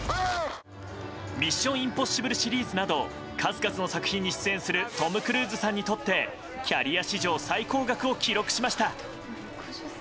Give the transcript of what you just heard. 「ミッション：インポッシブル」シリーズなど数々の作品に出演するトム・クルーズさんにとってキャリア史上最高額を記録しました。